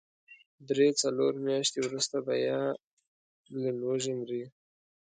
درې، څلور مياشتې وروسته به يا له لوږې مري.